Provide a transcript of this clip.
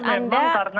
hanya memang karena